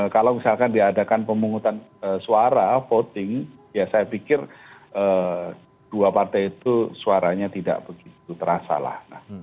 kalau misalkan diadakan pemungutan suara voting ya saya pikir dua partai itu suaranya tidak begitu terasa lah